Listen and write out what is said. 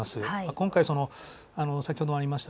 今回、先ほどもありました